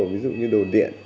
ví dụ như đồ điện